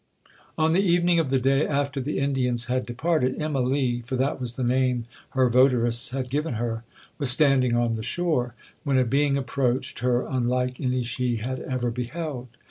'On the evening of the day after the Indians had departed, Immalee, for that was the name her votarists had given her, was standing on the shore, when a being approached her unlike any she had ever beheld.